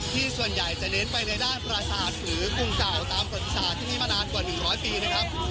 ที่ส่วนใหญ่จะเน้นไปในด้านประสาทหรือกรุงเก่าตามประติศาสตร์ที่มีมานานกว่า๑๐๐ปีนะครับ